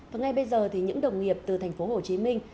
và ngay bây giờ thì những đồng nghiệp từ thành phố hồ chí minh